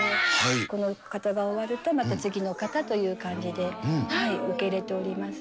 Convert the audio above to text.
この方が終わると、また次の方という感じで受け入れております。